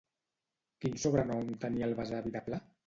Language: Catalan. Quin sobrenom tenia el besavi de Pla?